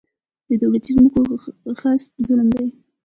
د دولتي ځمکو غصب ظلم دی.